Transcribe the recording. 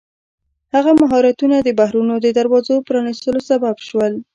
هغه مهارتونه د بحرونو د دروازو پرانیستلو سبب شول.